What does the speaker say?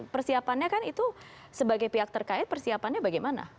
persiapannya kan itu sebagai pihak terkait persiapannya bagaimana